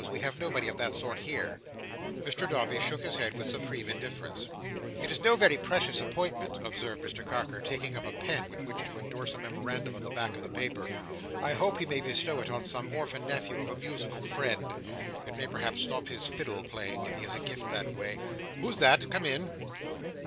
We have nobody of that sort here." Mr Dombey shook his head with supreme indifference. "It's no very precious appointment," observed Mr Carker, taking up a pen, with which to endorse a memorandum on the back of the paper. "I hope he may bestow it on some orphan nephew of a musical friend. It may perhaps stop his fiddle playing, if he has a gift that way. Who's that? Come in!"